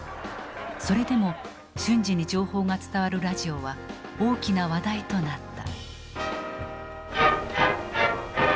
それでも瞬時に情報が伝わるラジオは大きな話題となった。